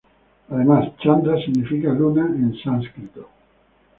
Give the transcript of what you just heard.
Además, Chandra significa "luna" en sánscrito.